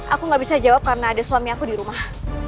aku gak bisa jawab karena ada suami aku di rumah